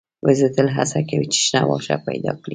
وزې تل هڅه کوي چې شنه واښه پیدا کړي